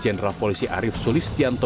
jenderal polisi arief sulistianto